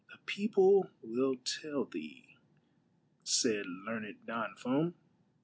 " The people will tell thee," said learned Don Fum.